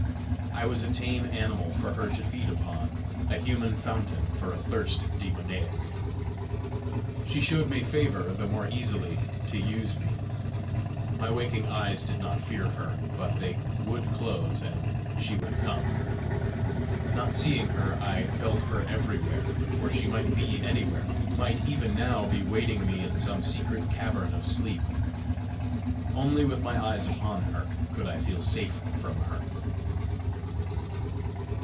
I was a tame animal for her to feed upon; a human fountain for a thirst demoniac! She showed me favour the more easily to use me! My waking eyes did not fear her, but they would close, and she would come! Not seeing her, I felt her everywhere, for she might be anywhere might even now be waiting me in some secret cavern of sleep! Only with my eyes upon her could I feel safe from her!